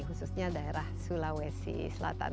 khususnya daerah sulawesi selatan